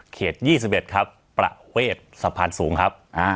๒๑ครับประเวทสะพานสูงครับ